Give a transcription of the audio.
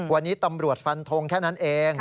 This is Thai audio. วันนี้ตำรวจฟันทงแค่นั้นเอง